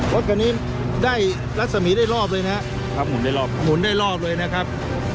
รถคันนี้ได้รัศมีร์ได้รอบเลยนะครับหุ่นได้รอบหมุนได้รอบเลยนะครับ